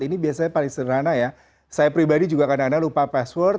ini biasanya paling sederhana ya saya pribadi juga kadang kadang lupa password